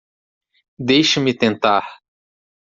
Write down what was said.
Deixe-me tentar!